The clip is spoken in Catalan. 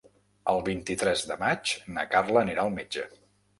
El vint-i-tres de maig na Carla anirà al metge.